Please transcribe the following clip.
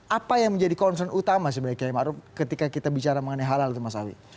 apa yang menjadi concern utama sebenarnya km arief ketika kita bicara mengenai halal itu mas awi